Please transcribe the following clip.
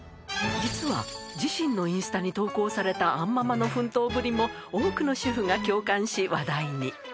実は自身のインスタに投稿された杏ママの奮闘ぶりも、多くの主婦が共感し、話題に。